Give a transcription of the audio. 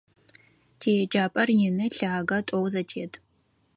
ТиеджапӀэр ины, лъагэ, тӀоу зэтет.